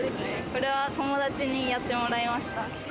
これは友達にやってもらいました。